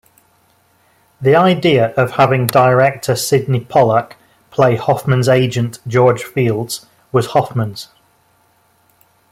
The idea of having director Sydney Pollack play Hoffman's agent, George Fields, was Hoffman's.